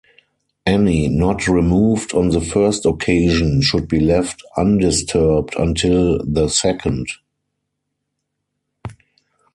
Any not removed on the first occasion should be left undisturbed until the second.